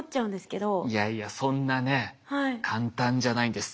いやいやそんなね簡単じゃないんです。